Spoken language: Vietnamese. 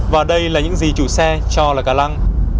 và đây là những gì chủ xe cho là cá lăng